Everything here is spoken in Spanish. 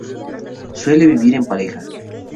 Suele vivir en pareja.